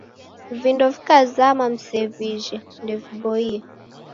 Vindo vikazama msevijhe, ndeviboie